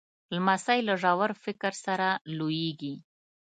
لمسی له ژور فکر سره لویېږي.